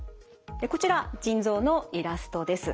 でこちら腎臓のイラストです。